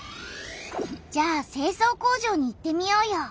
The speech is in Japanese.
じゃあ清掃工場に行ってみようよ。